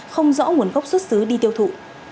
không rõ nguồn gốc xuất xứ đi tiêu thụ